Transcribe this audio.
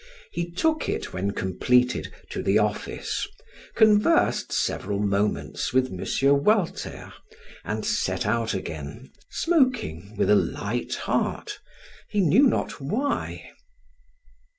He took it, when completed, to the office, conversed several moments with M. Walter, and set out again, smoking, with a light heart, he knew not why.